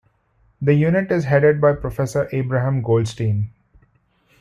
The unit is headed by Professor Abraham Goldstein.